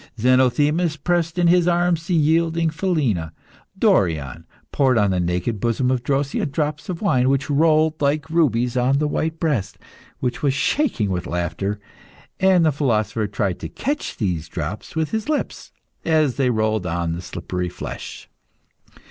Zenothemis pressed in his arms the yielding Philina; Dorion poured on the naked bosom of Drosea drops of wine, which rolled like rubies on the white breast, which was shaking with laughter, and the philosopher tried to catch these drops with his lips, as they rolled on the slippery flesh.